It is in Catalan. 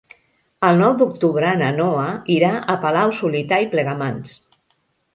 El nou d'octubre na Noa irà a Palau-solità i Plegamans.